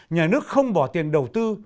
nhà nước không bỏ tiền đầu tư